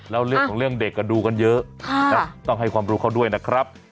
แล้วเรื่องของเรื่องเด็กก็ดูกันเยอะต้องให้ความรู้เขาด้วยนะครับ